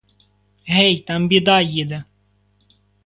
Гей, там біда їде!